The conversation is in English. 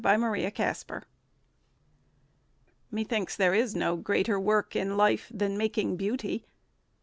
BEAUTY MAKING Methinks there is no greater work in life Than making beauty.